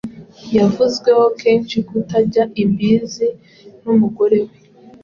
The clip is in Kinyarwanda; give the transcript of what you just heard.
Yavuzweho kenshi kutajya imbizi n’umugore we,